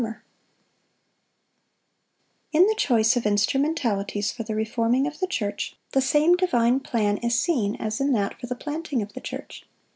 ] In the choice of instrumentalities for the reforming of the church, the same divine plan is seen as in that for the planting of the church.